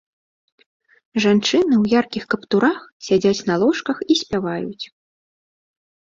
Жанчыны ў яркіх каптурах сядзяць на ложках і спяваюць.